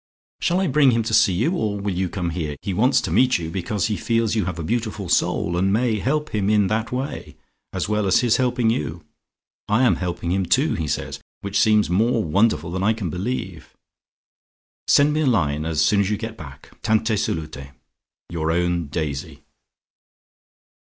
"Shall I bring him to see you, or will you come here? He wants to meet you, because he feels you have a beautiful soul and may help him in that way, as well as his helping you. I am helping him too he says, which seems more wonderful than I can believe. Send me a line as soon as you get back. Tante salute! "Your own, "DAISY."